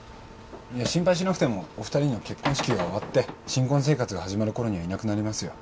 心配しなくてもお２人の結婚式が終わって新婚生活が始まるころにはいなくなりますよ。